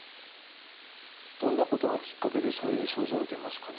どんなことがきっかけでそういう症状が出ますかね？